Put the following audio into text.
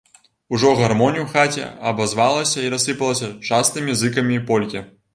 Ужо гармонь у хаце абазвалася і рассыпалася частымі зыкамі полькі.